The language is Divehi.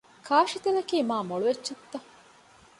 ކާށިތެލަކީ މާ މޮޅު އެއްޗެއްތަ؟